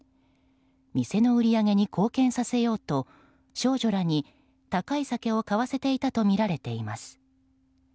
店の売り上げに貢献させようと少女らに高い酒を買わせていたとみられています。